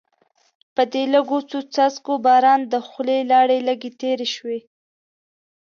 په دې لږو څو څاڅکو باران د خولې لاړې لږې تېرې شوې.